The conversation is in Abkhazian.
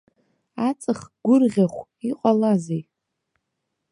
Аҵых гәырӷьахә, иҟалазеи?